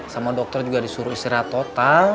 sama dokter juga disuruh istirahat total